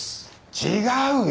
違うよ。